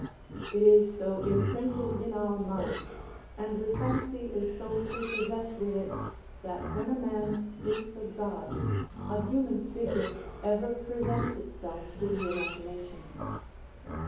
_ "It is so imprinted in our minds, and the fancy is so prepossessed with it, that when a man thinks of God, a human figure ever presents itself to the imagination."